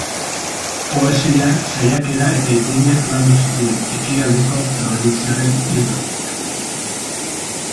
Poesia, saiakera eta ipuinak landu zituen, ekialdeko tradizioaren ildotik.